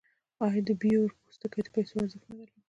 آیا د بیور پوستکي د پیسو ارزښت نه درلود؟